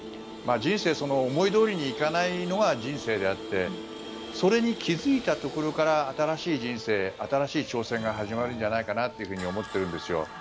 人生、思いどおりにいかないのが人生であってそれに気付いたところから新しい人生、新しい挑戦が始まるんじゃないかなって思ってるんですよ。